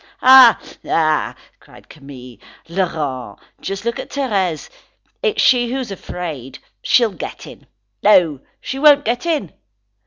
"Ah! ah!" cried Camille. "Laurent, just look at Thérèse. It's she who is afraid. She'll get in; no, she won't get in."